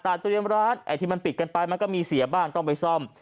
ต่างจุดย้ำร้านที่มันปิดกันไปมันก็มีเสียบ้างต้องไปซ่อม